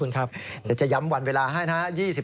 เดี๋ยวจะย้ำวันเวลาให้นะครับ